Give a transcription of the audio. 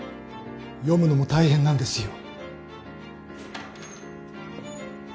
読むのも大変なんですよ。